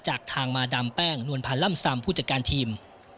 จากทางมาดามแป้งนวลพันธ์ล่ำซำผู้จัดการทีม